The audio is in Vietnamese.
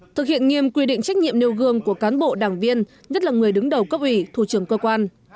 thực hiện nghiêm quy định trách nhiệm nêu gương của cán bộ đảng viên nhất là người đứng đầu cấp ủy thủ trưởng cơ quan